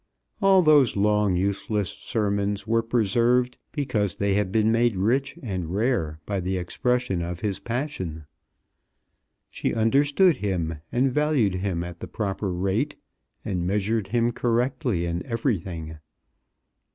All those long useless sermons were preserved because they had been made rich and rare by the expression of his passion. She understood him, and valued him at the proper rate, and measured him correctly in everything.